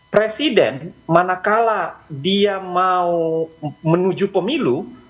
presiden manakala dia mau menuju pemilu